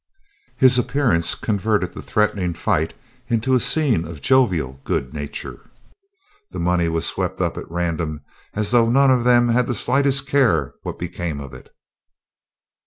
His appearance converted the threatening fight into a scene of jovial good nature. The money was swept up at random, as though none of them had the slightest care what became of it.